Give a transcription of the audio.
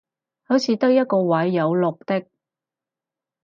好似得一個位有綠的